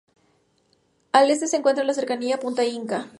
Al este se encuentra la cercana punta Inca.